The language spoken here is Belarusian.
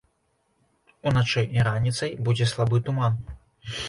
Уначы і раніцай будзе слабы туман.